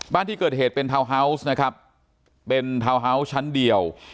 บ้านที่เกิดเหตุเป็นทาวน์ฮาวส์นะครับเป็นทาวน์ฮาวส์ชั้นเดียว